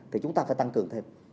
thì chúng ta phải tăng cường thêm